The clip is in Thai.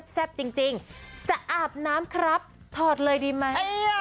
แซ่บจริงจะอาบน้ำครับถอดเลยดีไหม